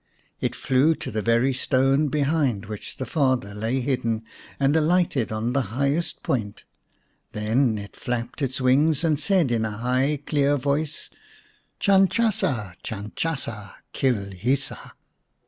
It flew to the very stone behind which the father lay hidden, and alighted on the highest point. Then it flapped its wings and said in a high clear voice :" Chanchasa ! Chanchasa ! Kilhisa